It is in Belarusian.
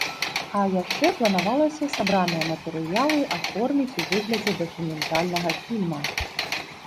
А яшчэ планавалася сабраныя матэрыялы аформіць у выглядзе дакументальнага фільма.